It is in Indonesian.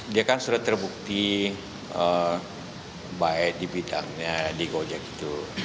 dia kan sudah terbukti baik di bidangnya di gojek itu